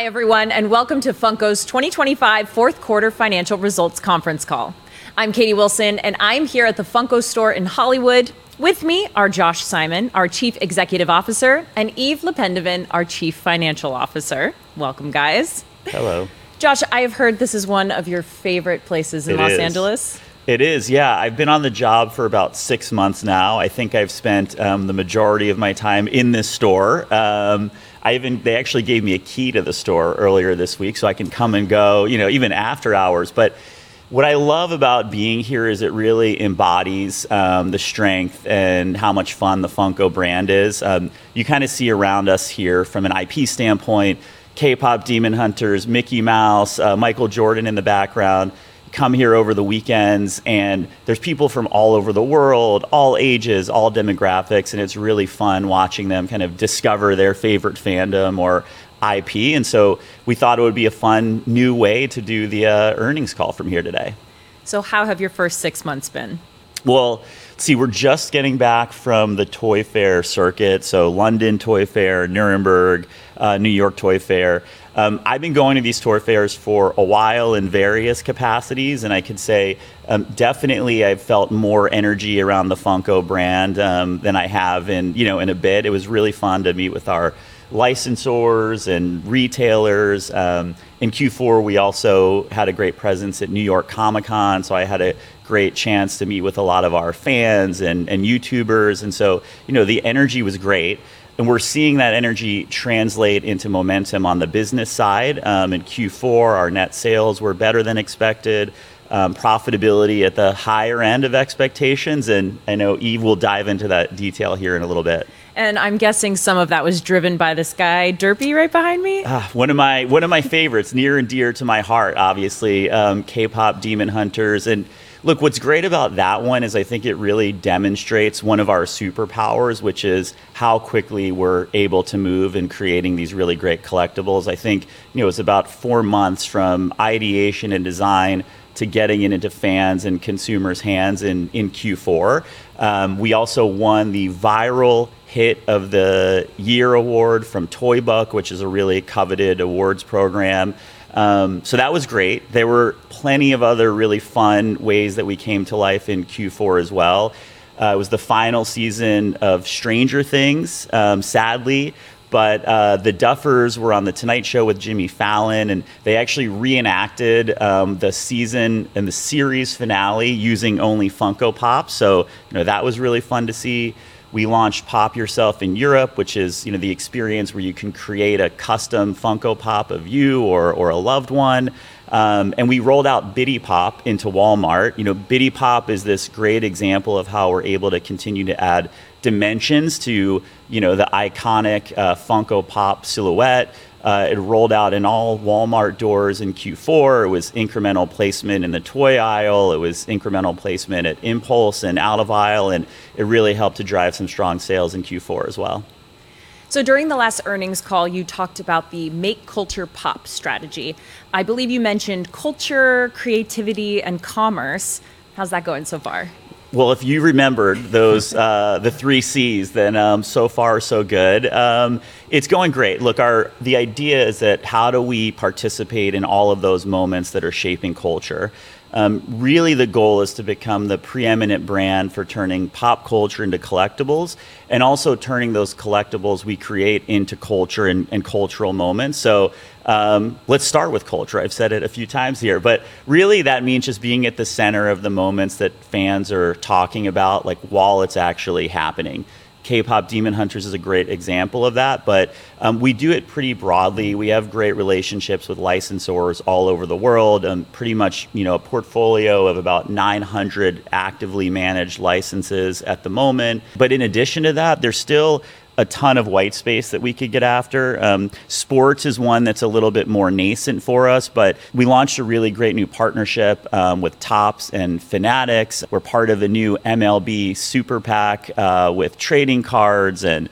Hi everyone, and welcome to Funko's 2025 fourth quarter financial results conference call. I'm Katie Wilson, and I'm here at the Funko store in Hollywood. With me are Josh Simon, our Chief Executive Officer, and Yves Le Pendeven, our Chief Financial Officer. Welcome guys. Hello. Josh, I have heard this is one of your favorite places in Los Angeles. It is, yeah. I've been on the job for about six months now. I think I've spent the majority of my time in this store. They actually gave me a key to the store earlier this week, so I can come and go, you know, even after hours. But what I love about being here is it really embodies the strength and how much fun the Funko brand is. You kinda see around us here from an IP standpoint, KPop Demon Hunters, Mickey Mouse, Michael Jordan in the background. Come here over the weekends, and there's people from all over the world, all ages, all demographics, and it's really fun watching them kind of discover their favorite fandom or IP. We thought it would be a fun new way to do the earnings call from here today. How have your first six months been? Well, see, we're just getting back from the toy fair circuit, so London Toy Fair, Nuremberg, New York Toy Fair. I've been going to these toy fairs for a while in various capacities, and I can say, definitely I've felt more energy around the Funko brand than I have in, you know, in a bit. It was really fun to meet with our licensors and retailers. In Q4, we also had a great presence at New York Comic Con, so I had a great chance to meet with a lot of our fans and YouTubers. You know, the energy was great, and we're seeing that energy translate into momentum on the business side. In Q4, our net sales were better than expected, profitability at the higher end of expectations, and I know Yves will dive into that detail here in a little bit. I'm guessing some of that was driven by this guy, Derpy, right behind me? One of my favorites, near and dear to my heart, obviously. KPop Demon Hunters. Look, what's great about that one is I think it really demonstrates one of our superpowers, which is how quickly we're able to move in creating these really great collectibles. I think, you know, it's about four months from ideation and design to getting it into fans and consumers' hands in Q4. We also won the Viral Hit of the Year award from The Toy Book, which is a really coveted awards program. That was great. There were plenty of other really fun ways that we came to life in Q4 as well. It was the final season of Stranger Things, sadly. The Duffers were on The Tonight Show Starring Jimmy Fallon, and they actually reenacted the season and the series finale using only Funko Pop!s. You know, that was really fun to see. We launched Pop! Yourself in Europe, which is, you know, the experience where you can create a custom Funko Pop! of you or a loved one. We rolled out Bitty Pop! into Walmart. You know, Bitty Pop! is this great example of how we're able to continue to add dimensions to, you know, the iconic Funko Pop! Silhouette. It rolled out in all Walmart doors in Q4. It was incremental placement in the toy aisle. It was incremental placement at impulse and out of aisle, and it really helped to drive some strong sales in Q4 as well. During the last earnings call, you talked about the Make Culture POP! strategy. I believe you mentioned culture, creativity, and commerce. How's that going so far? Well, if you remembered those, the three Cs, then, so far so good. It's going great. Look, the idea is that how do we participate in all of those moments that are shaping culture? Really the goal is to become the preeminent brand for turning pop culture into collectibles and also turning those collectibles we create into culture and cultural moments. Let's start with culture. I've said it a few times here, but really that means just being at the center of the moments that fans are talking about, like while it's actually happening. KPop Demon Hunters is a great example of that, but we do it pretty broadly. We have great relationships with licensors all over the world, pretty much, you know, a portfolio of about 900 actively managed licenses at the moment. In addition to that, there's still a ton of white space that we could get after. Sports is one that's a little bit more nascent for us, but we launched a really great new partnership with Topps and Fanatics. We're part of the new MLB Super Pack with trading cards and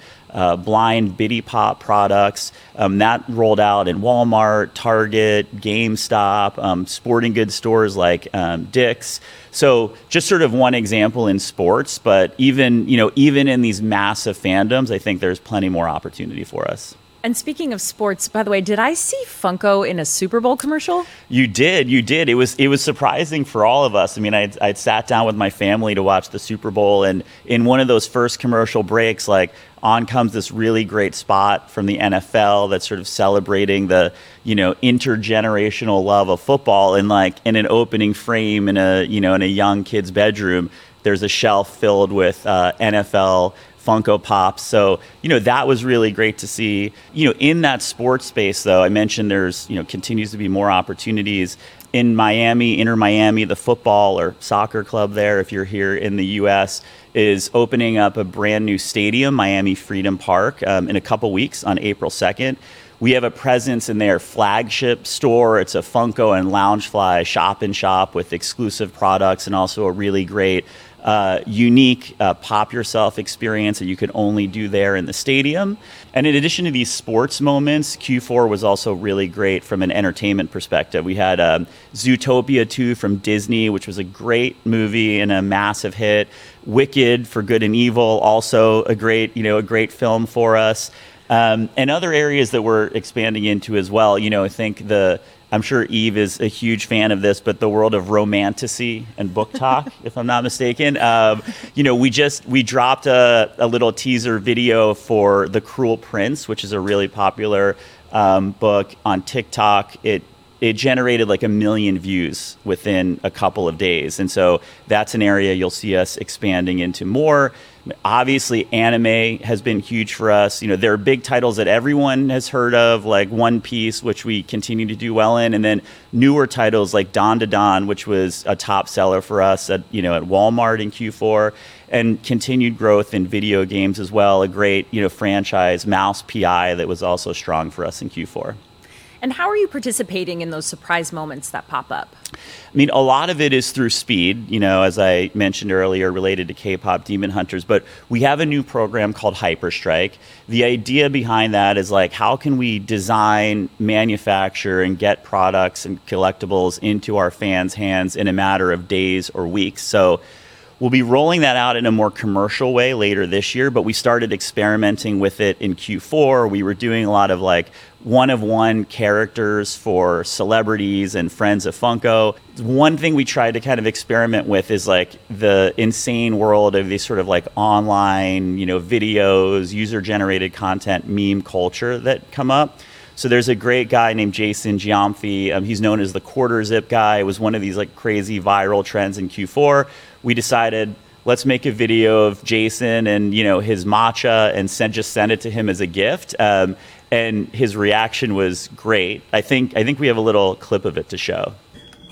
blind Bitty Pop! products that rolled out in Walmart, Target, GameStop, sporting goods stores like Dick's. Just sort of one example in sports, but even, you know, even in these massive fandoms, I think there's plenty more opportunity for us. Speaking of sports, by the way, did I see Funko in a Super Bowl commercial? You did. It was surprising for all of us. I mean, I'd sat down with my family to watch the Super Bowl, and in one of those first commercial breaks, like on comes this really great spot from the NFL that's sort of celebrating the, you know, intergenerational love of football. And like in an opening frame in a, you know, in a young kid's bedroom, there's a shelf filled with NFL Funko Pop!s. So, you know, that was really great to see. You know, in that sports space though, I mentioned there continues to be more opportunities. In Miami, Inter Miami, the football or soccer club there, if you're here in the U.S., is opening up a brand new stadium, Miami Freedom Park, in a couple weeks on April 2nd. We have a presence in their flagship store. It's a Funko and Loungefly shop-in-shop with exclusive products and also a really great unique Pop! Yourself experience that you can only do there in the stadium. In addition to these sports moments, Q4 was also really great from an entertainment perspective. We had Zootopia 2 from Disney, which was a great movie and a massive hit. Wicked: For Good, also a great film for us. Other areas that we're expanding into as well, you know, I think I'm sure Yves is a huge fan of this, but the world of Romantasy and BookTok, if I'm not mistaken. You know, we dropped a little teaser video for The Cruel Prince, which is a really popular book on TikTok. It generated like 1 million views within a couple of days. That's an area you'll see us expanding into more. Obviously, anime has been huge for us. You know, there are big titles that everyone has heard of, like One Piece, which we continue to do well in, and then newer titles like Dandadan, which was a top seller for us at, you know, at Walmart in Q4, and continued growth in video games as well. A great, you know, franchise, MOUSE: P.I., that was also strong for us in Q4. How are you participating in those surprise moments that pop up? I mean, a lot of it is through speed, you know, as I mentioned earlier, related to KPop Demon Hunters. We have a new program called HyperStrike. The idea behind that is like, how can we design, manufacture, and get products and collectibles into our fans' hands in a matter of days or weeks? We'll be rolling that out in a more commercial way later this year, but we started experimenting with it in Q4. We were doing a lot of, like, one of one characters for celebrities and friends of Funko. One thing we tried to kind of experiment with is, like, the insane world of these sort of like online, you know, videos, user-generated content, meme culture that come up. There's a great guy named Jason Gyamfi, he's known as the quarter zip guy, was one of these, like, crazy viral trends in Q4. We decided, let's make a video of Jason and, you know, his matcha and send it to him as a gift. His reaction was great. I think we have a little clip of it to show.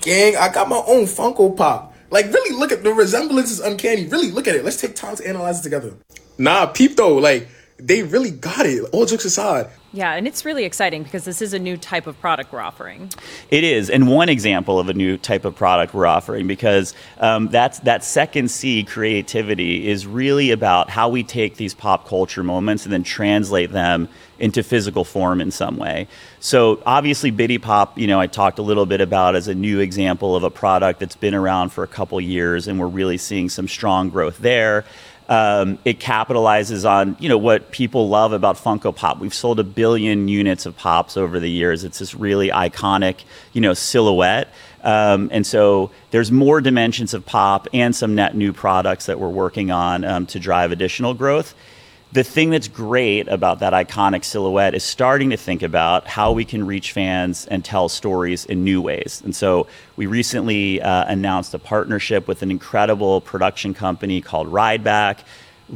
Gang, I got my own Funko Pop!. Like, really look at the resemblance is uncanny. Really look at it. Let's take time to analyze it together. Nah, peep though, like they really got it all jokes aside. Yeah, it's really exciting because this is a new type of product we're offering. It is. One example of a new type of product we're offering because that's that second C, creativity, is really about how we take these pop culture moments and then translate them into physical form in some way. Obviously, Bitty Pop!, you know, I talked a little bit about as a new example of a product that's been around for a couple of years, and we're really seeing some strong growth there. It capitalizes on, you know, what people love about Funko Pop!. We've sold 1 billion units of Pops over the years. It's this really iconic, you know, silhouette. There's more dimensions of Pop and some net new products that we're working on to drive additional growth. The thing that's great about that iconic silhouette is starting to think about how we can reach fans and tell stories in new ways. We recently announced a partnership with an incredible production company called Rideback.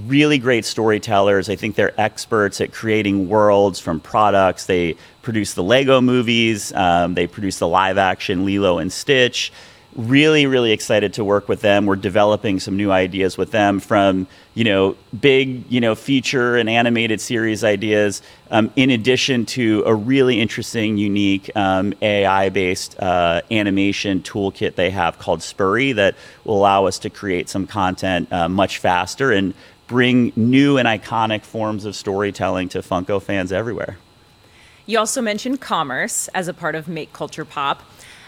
Really great storytellers. I think they're experts at creating worlds from products. They produce the LEGO movies, they produce the live-action Lilo & Stitch. Really, really excited to work with them. We're developing some new ideas with them from, you know, big, you know, feature and animated series ideas, in addition to a really interesting, unique, AI-based animation toolkit they have called Spuree that will allow us to create some content much faster and bring new and iconic forms of storytelling to Funko fans everywhere. You also mentioned commerce as a part of Make Culture POP!.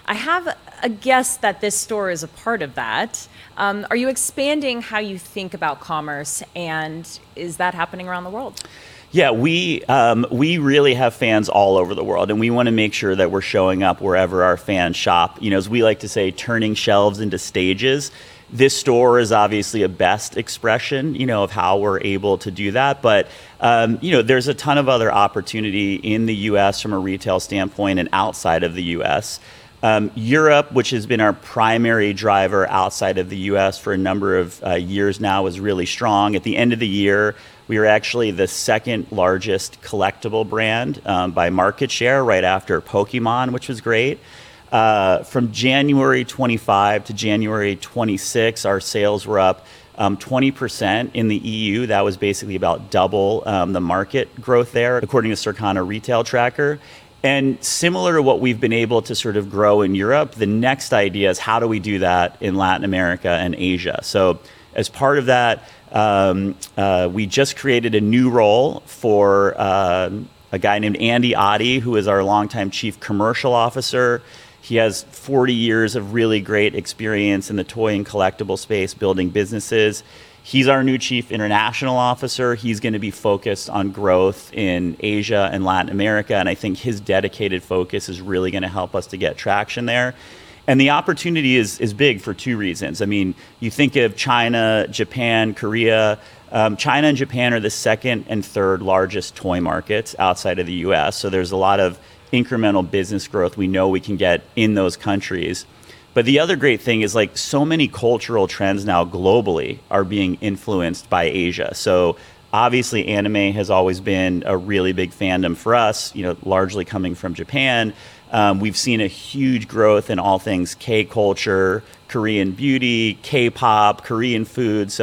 I have a guess that this store is a part of that. Are you expanding how you think about commerce, and is that happening around the world? Yeah. We really have fans all over the world, and we wanna make sure that we're showing up wherever our fans shop. You know, as we like to say, turning shelves into stages. This store is obviously a best expression, you know, of how we're able to do that. But you know, there's a ton of other opportunity in the US from a retail standpoint and outside of the U.S.. Europe, which has been our primary driver outside of the U.S. for a number of years now, is really strong. At the end of the year, we were actually the second largest collectible brand by market share right after Pokémon, which was great. From January 2025 to January 2026, our sales were up 20% in the EU. That was basically about double the market growth there, according to Circana Retail Tracking Service. Similar to what we've been able to sort of grow in Europe, the next idea is how do we do that in Latin America and Asia. As part of that, we just created a new role for a guy named Andy Oddie, who is our longtime Chief Commercial Officer. He has 40 years of really great experience in the toy and collectible space building businesses. He's our new Chief International Officer. He's gonna be focused on growth in Asia and Latin America, and I think his dedicated focus is really gonna help us to get traction there. The opportunity is big for two reasons. I mean, you think of China, Japan, Korea. China and Japan are the second and third largest toy markets outside of the U.S.. There's a lot of incremental business growth we know we can get in those countries. The other great thing is, like, so many cultural trends now globally are being influenced by Asia. Obviously, anime has always been a really big fandom for us, you know, largely coming from Japan. We've seen a huge growth in all things K-culture, Korean beauty, K-pop, Korean food.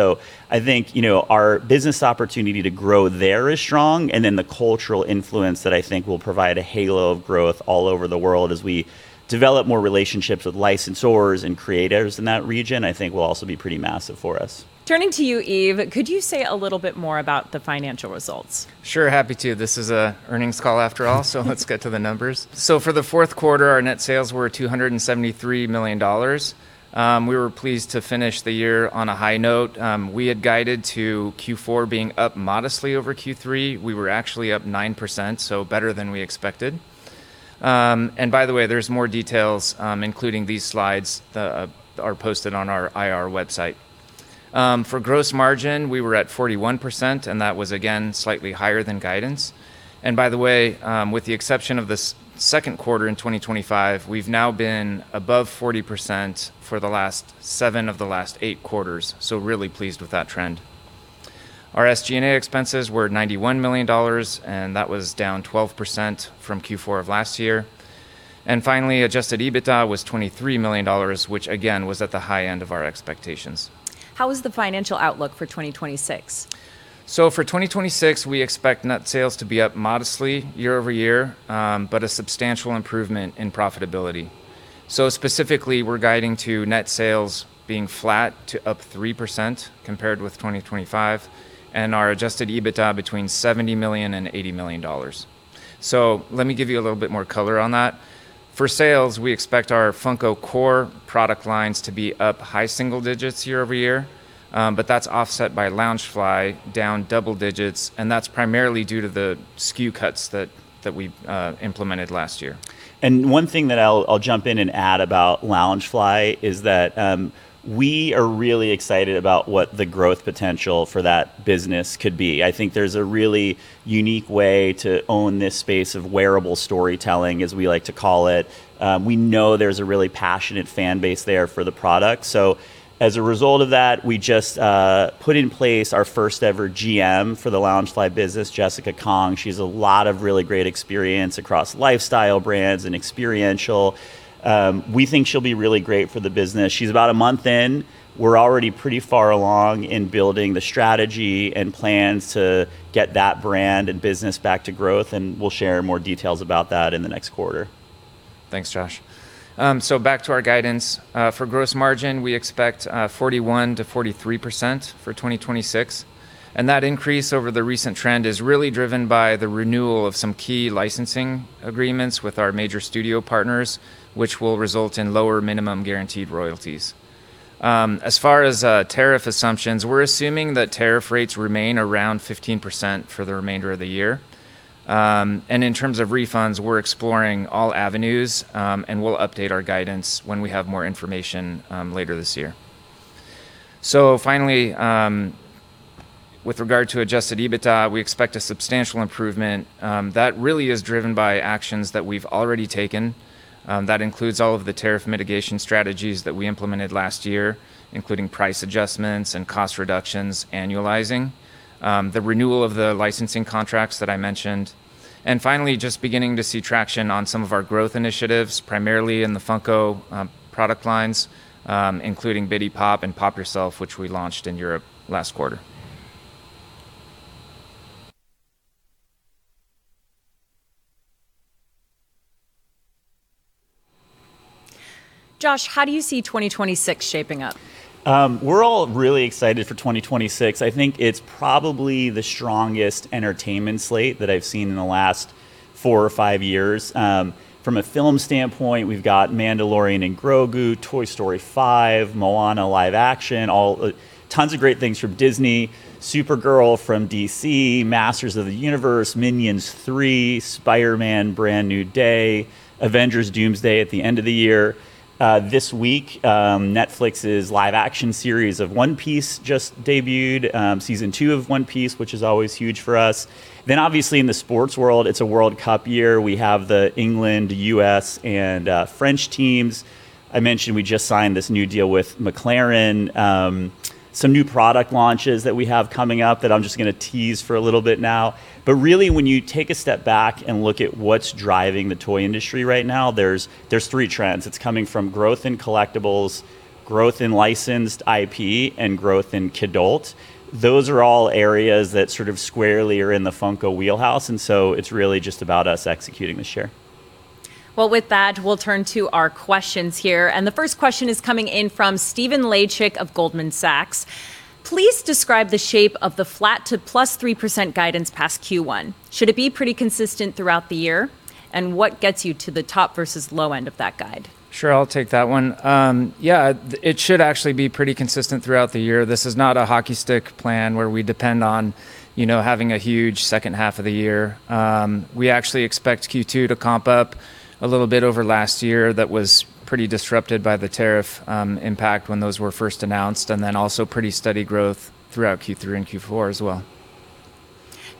I think, you know, our business opportunity to grow there is strong, and then the cultural influence that I think will provide a halo of growth all over the world as we develop more relationships with licensors and creators in that region, I think will also be pretty massive for us. Turning to you, Yves, could you say a little bit more about the financial results? Sure. Happy to. This is an earnings call after all, so let's get to the numbers. For the fourth quarter, our net sales were $273 million. We were pleased to finish the year on a high note. We had guided to Q4 being up modestly over Q3. We were actually up 9%, so better than we expected. By the way, there's more details, including these slides, are posted on our IR website. For gross margin, we were at 41%, and that was again slightly higher than guidance. By the way, with the exception of the second quarter in 2025, we've now been above 40% for the last seven of the last eight quarters, so really pleased with that trend. Our SG&A expenses were $91 million, and that was down 12% from Q4 of last year. Finally, adjusted EBITDA was $23 million, which again, was at the high end of our expectations. How is the financial outlook for 2026? For 2026, we expect net sales to be up modestly year-over-year, but a substantial improvement in profitability. Specifically, we're guiding to net sales being flat to up 3% compared with 2025, and our adjusted EBITDA between $70 million and $80 million. Let me give you a little bit more color on that. For sales, we expect our Funko core product lines to be up high single digits year-over-year, but that's offset by Loungefly down double digits, and that's primarily due to the SKU cuts that we implemented last year. One thing that I'll jump in and add about Loungefly is that, we are really excited about what the growth potential for that business could be. I think there's a really unique way to own this space of wearable storytelling, as we like to call it. We know there's a really passionate fan base there for the product. As a result of that, we just put in place our first ever GM for the Loungefly business, Jessica Kong. She has a lot of really great experience across lifestyle brands and experiential. We think she'll be really great for the business. She's about a month in. We're already pretty far along in building the strategy and plans to get that brand and business back to growth, and we'll share more details about that in the next quarter. Thanks, Josh. Back to our guidance. For gross margin, we expect 41%-43% for 2026, and that increase over the recent trend is really driven by the renewal of some key licensing agreements with our major studio partners, which will result in lower minimum guaranteed royalties. As far as tariff assumptions, we're assuming that tariff rates remain around 15% for the remainder of the year. In terms of refunds, we're exploring all avenues, and we'll update our guidance when we have more information later this year. Finally, with regard to Adjusted EBITDA, we expect a substantial improvement that really is driven by actions that we've already taken. That includes all of the tariff mitigation strategies that we implemented last year, including price adjustments and cost reductions annualizing the renewal of the licensing contracts that I mentioned, and finally, just beginning to see traction on some of our growth initiatives, primarily in the Funko product lines, including Bitty Pop! and Pop! Yourself, which we launched in Europe last quarter. Josh, how do you see 2026 shaping up? We're all really excited for 2026. I think it's probably the strongest entertainment slate that I've seen in the last four or five years. From a film standpoint, we've got The Mandalorian & Grogu, Toy Story 5, Moana live action, all tons of great things from Disney, Supergirl from DC, Masters of the Universe, Minions 3, Spider-Man: Brand New Day, Avengers: Doomsday at the end of the year. This week, Netflix's live action series of One Piece just debuted, season 2 of One Piece, which is always huge for us. Obviously in the sports world, it's a World Cup year. We have the England, U.S., and French teams. I mentioned we just signed this new deal with McLaren. Some new product launches that we have coming up that I'm just gonna tease for a little bit now. Really when you take a step back and look at what's driving the toy industry right now, there's three trends. It's coming from growth in collectibles, growth in licensed IP, and growth in kidult. Those are all areas that sort of squarely are in the Funko wheelhouse, and so it's really just about us executing the share. Well, with that, we'll turn to our questions here. The first question is coming in from Stephen Laszczyk of Goldman Sachs. Please describe the shape of the flat to +3% guidance past Q1. Should it be pretty consistent throughout the year? What gets you to the top versus low end of that guide? Sure, I'll take that one. Yeah, it should actually be pretty consistent throughout the year. This is not a hockey stick plan where we depend on, you know, having a huge second half of the year. We actually expect Q2 to comp up a little bit over last year, that was pretty disrupted by the tariff impact when those were first announced, and then also pretty steady growth throughout Q3 and Q4 as well.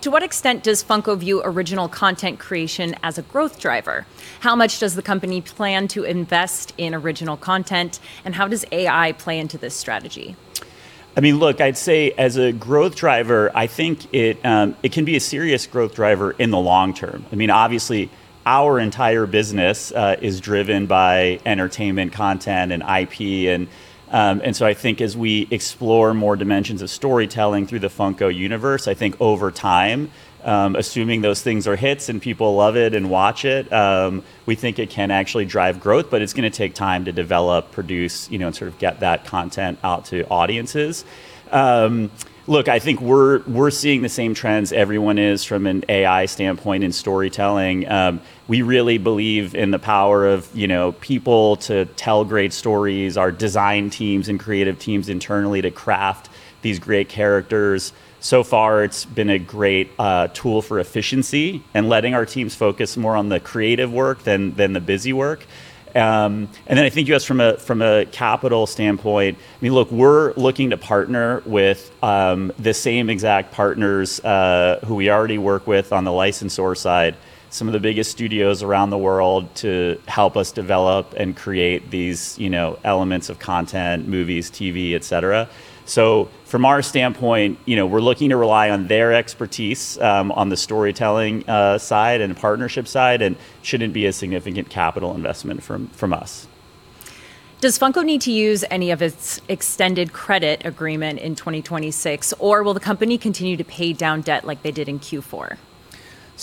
To what extent does Funko view original content creation as a growth driver? How much does the company plan to invest in original content, and how does AI play into this strategy? I mean, look, I'd say as a growth driver, I think it can be a serious growth driver in the long term. I mean, obviously, our entire business is driven by entertainment content and IP and I think as we explore more dimensions of storytelling through the Funko universe, I think over time, assuming those things are hits and people love it and watch it, we think it can actually drive growth, but it's gonna take time to develop, produce, you know, and sort of get that content out to audiences. Look, I think we're seeing the same trends everyone is from an AI standpoint in storytelling. We really believe in the power of, you know, people to tell great stories, our design teams and creative teams internally to craft these great characters. So far, it's been a great tool for efficiency and letting our teams focus more on the creative work than the busy work. Then I think just from a capital standpoint, I mean, look, we're looking to partner with the same exact partners who we already work with on the licensor side, some of the biggest studios around the world to help us develop and create these, you know, elements of content, movies, TV, et cetera. From our standpoint, you know, we're looking to rely on their expertise on the storytelling side and partnership side, and it shouldn't be a significant capital investment from us. Does Funko need to use any of its extended credit agreement in 2026, or will the company continue to pay down debt like they did in Q4?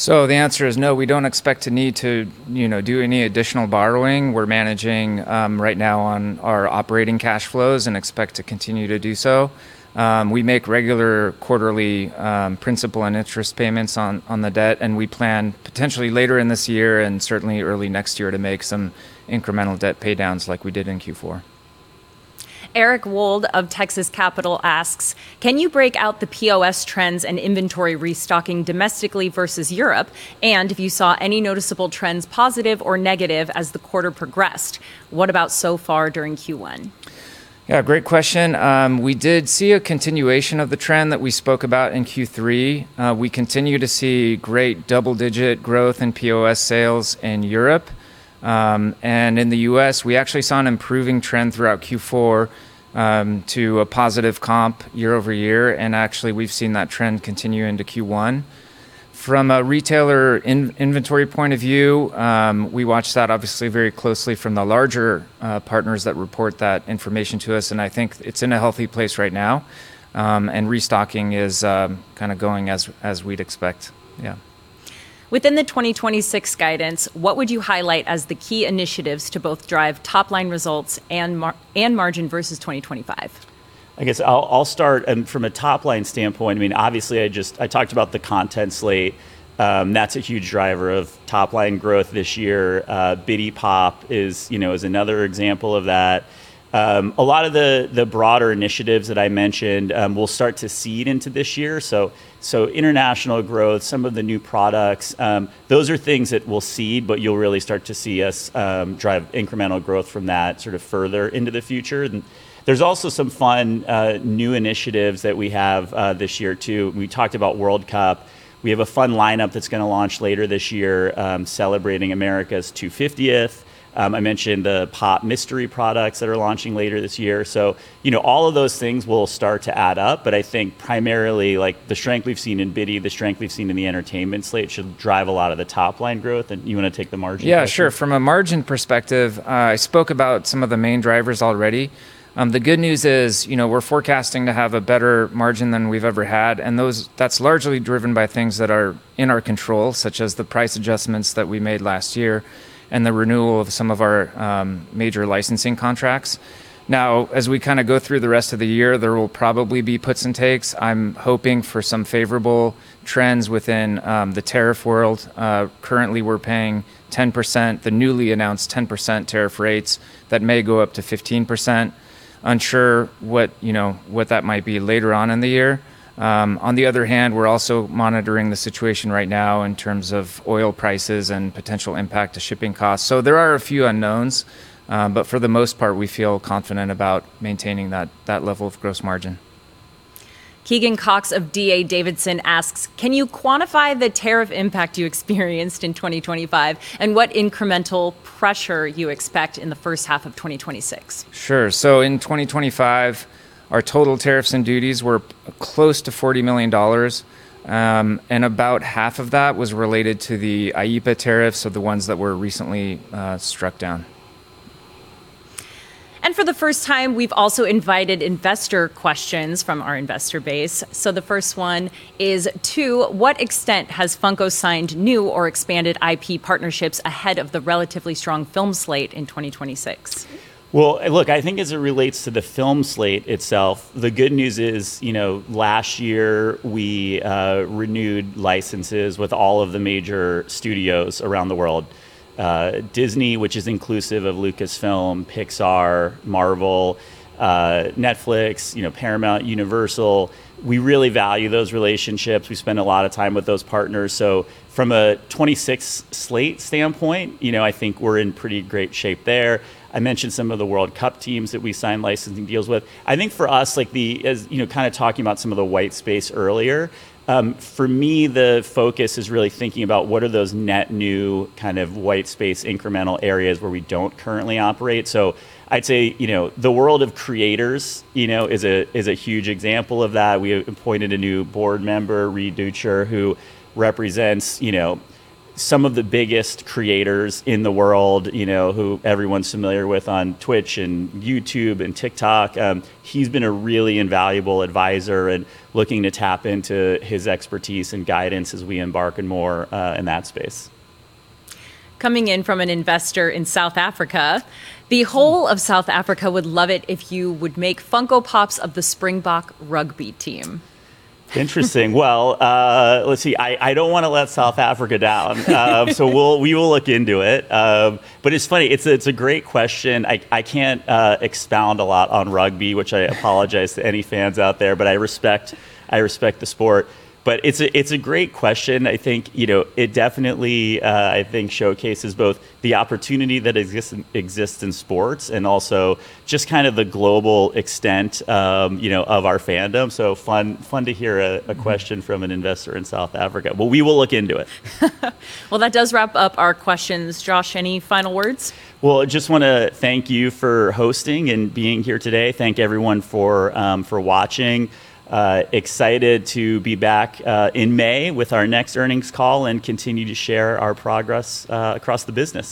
The answer is no, we don't expect to need to, you know, do any additional borrowing. We're managing right now on our operating cash flows and expect to continue to do so. We make regular quarterly principal and interest payments on the debt, and we plan potentially later in this year and certainly early next year to make some incremental debt pay downs like we did in Q4. Eric Wold of Texas Capital Securities asks, "Can you break out the POS trends and inventory restocking domestically versus Europe? If you saw any noticeable trends, positive or negative, as the quarter progressed, what about so far during Q1? Yeah, great question. We did see a continuation of the trend that we spoke about in Q3. We continue to see great double-digit growth in POS sales in Europe. In the U.S., we actually saw an improving trend throughout Q4 to a positive comp year-over-year, and actually we've seen that trend continue into Q1. From a retailer inventory point of view, we watched that obviously very closely from the larger partners that report that information to us, and I think it's in a healthy place right now, and restocking is kinda going as we'd expect. Yeah. Within the 2026 guidance, what would you highlight as the key initiatives to both drive top line results and margin versus 2025? I guess I'll start. From a top-line standpoint, I mean, obviously I talked about the content slate. That's a huge driver of top-line growth this year. Bitty Pop! is, you know, is another example of that. A lot of the broader initiatives that I mentioned will start to seed into this year. International growth, some of the new products, those are things that we'll seed, but you'll really start to see us drive incremental growth from that sort of further into the future. There's also some fun new initiatives that we have this year too. We talked about World Cup. We have a fun lineup that's gonna launch later this year, celebrating America's 250th. I mentioned the POP! Mystery products that are launching later this year. You know, all of those things will start to add up, but I think primarily, like, the strength we've seen in Bitty, the strength we've seen in the entertainment slate should drive a lot of the top-line growth. You wanna take the margin question? Yeah, sure. From a margin perspective, I spoke about some of the main drivers already. The good news is, you know, we're forecasting to have a better margin than we've ever had, and that's largely driven by things that are in our control, such as the price adjustments that we made last year and the renewal of some of our major licensing contracts. Now, as we kinda go through the rest of the year, there will probably be puts and takes. I'm hoping for some favorable trends within the tariff world. Currently we're paying 10%, the newly announced 10% tariff rates that may go up to 15%. Unsure what, you know, what that might be later on in the year. On the other hand, we're also monitoring the situation right now in terms of oil prices and potential impact to shipping costs. There are a few unknowns, but for the most part, we feel confident about maintaining that level of gross margin. Keegan Cox of D.A. Davidson asks, "Can you quantify the tariff impact you experienced in 2025, and what incremental pressure you expect in the first half of 2026? Sure. In 2025, our total tariffs and duties were close to $40 million, and about half of that was related to the IEEPA tariffs. The ones that were recently struck down. For the first time, we've also invited investor questions from our investor base. The first one is, "To what extent has Funko signed new or expanded IP partnerships ahead of the relatively strong film slate in 2026? Well, look, I think as it relates to the film slate itself, the good news is, you know, last year we renewed licenses with all of the major studios around the world. Disney, which is inclusive of Lucasfilm, Pixar, Marvel, Netflix, you know, Paramount, Universal. We really value those relationships. We spend a lot of time with those partners. From a 2026 slate standpoint, you know, I think we're in pretty great shape there. I mentioned some of the World Cup teams that we signed licensing deals with. I think for us, like as, you know, kinda talking about some of the white space earlier, for me, the focus is really thinking about what are those net new kind of white space incremental areas where we don't currently operate. I'd say, you know, the world of creators, you know, is a huge example of that. We appointed a new board member, Reed Duchscher, who represents, you know, some of the biggest creators in the world, you know, who everyone's familiar with on Twitch and YouTube and TikTok. He's been a really invaluable advisor and looking to tap into his expertise and guidance as we embark in more, in that space. Coming in from an investor in South Africa, "The whole of South Africa would love it if you would make Funko Pop!s of the Springboks rugby team. Interesting. Well, let's see. I don't wanna let South Africa down. We will look into it. It's funny. It's a great question. I can't expound a lot on rugby, which I apologize to any fans out there, but I respect the sport. It's a great question. I think you know it definitely I think showcases both the opportunity that exists in sports and also just kind of the global extent you know of our fandom. Fun to hear a question from an investor in South Africa. We will look into it. Well, that does wrap up our questions. Josh, any final words? Well, I just wanna thank you for hosting and being here today. Thank everyone for watching. Excited to be back in May with our next earnings call and continue to share our progress across the business.